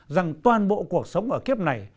rằng toàn bộ cuộc sống ở kiếp này